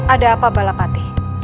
ada apa balapati